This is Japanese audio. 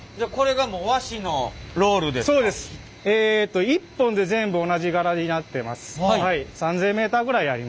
えと１本で全部同じ柄になってます。